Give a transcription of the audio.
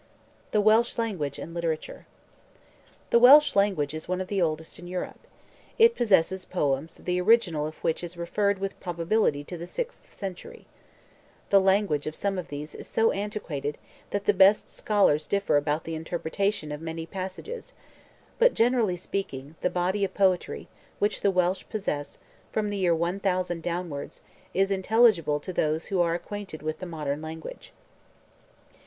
THE WELSH LANGUAGE AND LITERATURE The Welsh language is one of the oldest in Europe. It possesses poems the origin of which is referred with probability to the sixth century. The language of some of these is so antiquated that the best scholars differ about the interpretation of many passages; but, generally speaking, the body of poetry which the Welsh possess, from the year 1000 downwards, is intelligible to those who are acquainted with the modern language.